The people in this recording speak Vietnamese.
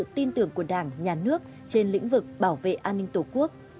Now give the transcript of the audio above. tin tưởng của đảng nhà nước trên lĩnh vực bảo vệ an ninh tổ quốc